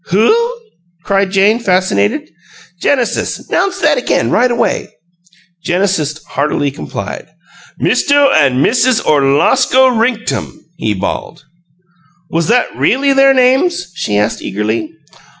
"WHO?" cried Jane, fascinated. "Genesis, 'nounce that again, right away!" Genesis heartily complied. "Misto an' Missuz Orlosko Rinktum!" he bawled. "Was that really their names?" she asked, eagerly.